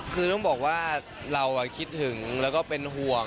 คือต้องบอกว่าเราคิดถึงแล้วก็เป็นห่วง